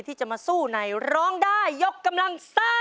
ที่จะมาสู้ในร้องได้ยกกำลังซ่า